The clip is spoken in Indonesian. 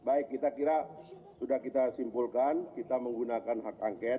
baik kita kira sudah kita simpulkan kita menggunakan hak angket